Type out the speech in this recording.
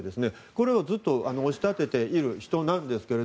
これをずっと推し立てている人なんですが。